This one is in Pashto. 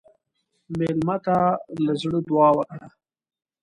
مېلمه ته له زړه دعا وکړه.